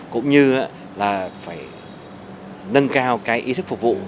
cũng như là phải nâng cao cái ý thức phục vụ